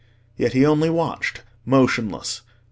Yet he only watched—motionless.